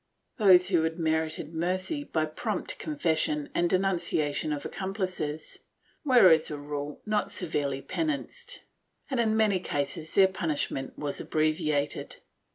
Those who had merited mercy by prompt confession and denunciation of accomplices were, as a rule, not severely penanced and, in many cases, their punishment was abbreviated.